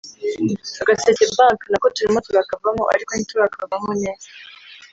Agaseke Banki nako turimo turakavamo ariko ntiturakavamo neza